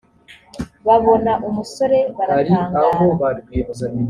babona umusore baratangara